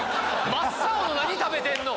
真っ青の何食べてんの？